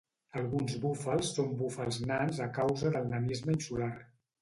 Alguns búfals són búfals nans a causa del nanisme insular.